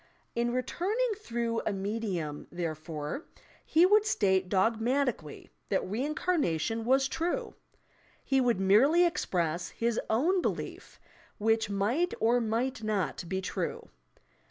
In returning through a medium, therefore, he would state dogmatically that reincarnation was true! He would merely express his own belief, which might or might not be true.